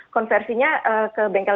konversinya ke bbm